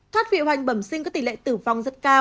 thoát vị hoành bẩm sinh có tỷ lệ tử vong rất cao